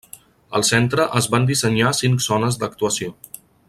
Al centre es van dissenyar cinc zones d'actuació.